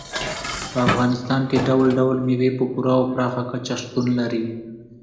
په افغانستان کې ډول ډول مېوې په پوره او پراخه کچه شتون لري.